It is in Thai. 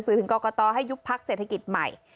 ถึงกรกตให้ยุบพักเศรษฐกิจใหม่